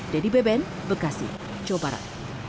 dedy beben bekasi jawa barat